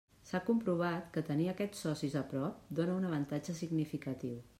S'ha comprovat que tenir aquests socis a prop dóna un avantatge significatiu.